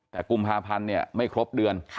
แต่กุมภาพันธ์เนี่ยไม่ครบเดือน